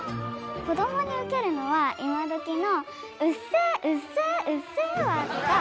こどもにウケるのは今どきの「うっせぇうっせぇうっせぇわ」とか。